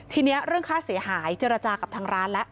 ทีนี้เรื่องค่าเสียหายเจรจากับทางร้านแล้ว